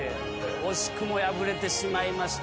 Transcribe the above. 惜しくも敗れてしまいました。